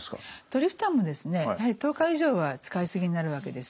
トリプタンもですねやはり１０日以上は使いすぎになるわけです。